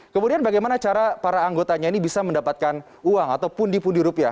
kemudian bagaimana cara para anggotanya ini bisa mendapatkan uang atau pundi pundi rupiah